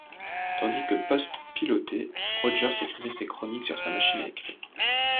Tandis que Post pilotait, Rogers écrivait ses chroniques sur sa machine à écrire.